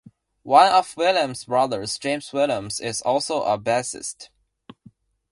One of Williams' brothers, James Williams, is also a bassist.